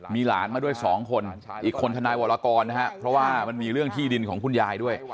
มีหลานมาด้วยสองคนอีกคนทนายวรกรนะฮะเพราะว่ามันมีเรื่องที่ดินของคุณยายด้วย